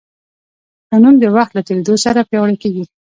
ښه نوم د وخت له تېرېدو سره پیاوړی کېږي.